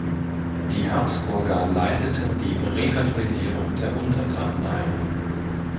Die Habsburger leiteten die Rekatholisierung der Untertanen ein.